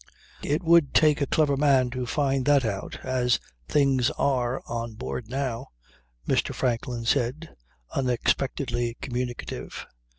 "It would take a clever man to find that out, as things are on board now," Mr. Franklin said, unexpectedly communicative.